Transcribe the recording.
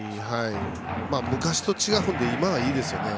昔と違うので、今はいいですよね。